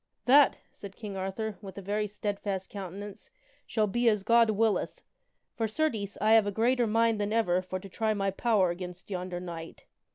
" That," said King Arthur, with a very steadfast countenance, " shall be as God willeth. For, certes, I have a greater mind than ever for to try my power against yonder knight.